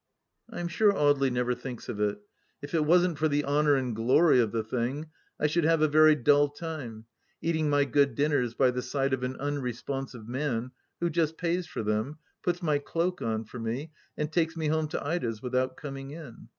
I'm sure Audely never thinks of it. If it wasn't for the honour and glory of the thing I should have a very dull time, eating my good dinners by the side of an unresponsive man, who just pays for them, puts my cloak on for me, and takes me home to Ida's without " coming in."